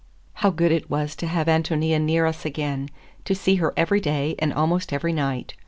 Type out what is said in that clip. How good it was to have Ántonia near us again; to see her every day and almost every night!